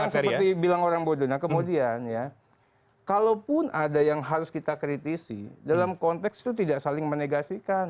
sampai orang orang seperti bilang orang bodoh nah kemudian ya kalaupun ada yang harus kita kritisi dalam konteks itu tidak saling menegasikan